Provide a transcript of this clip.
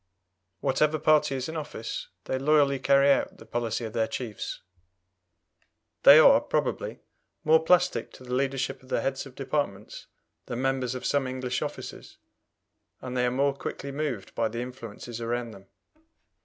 Whatever party is in office, they loyally carry out the policy of their chiefs. They are, probably, more plastic to the leadership of the heads of departments than members of some English offices, and they are more quickly moved by the influences around them.